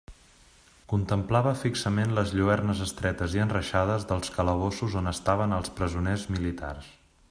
Contemplava fixament les lluernes estretes i enreixades dels calabossos on estaven els presoners militars.